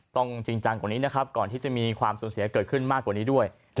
จริงจังกว่านี้นะครับก่อนที่จะมีความสูญเสียเกิดขึ้นมากกว่านี้ด้วย